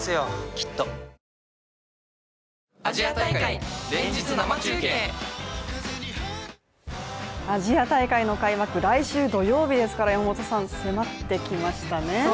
きっとアジア大会の開幕、来週土曜日ですから迫ってきましたね。